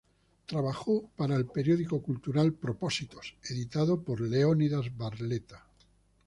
Trabajó para el periódico cultural Propósitos, editado por Leónidas Barletta